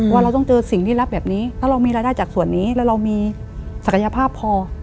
เราต้องเจอสิ่งที่รับแบบนี้ถ้าเรามีรายได้จากส่วนนี้แล้วเรามีศักยภาพพอ